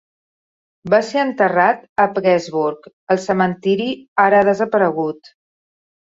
Va ser enterrat a Pressburg; el cementiri ara ha desaparegut.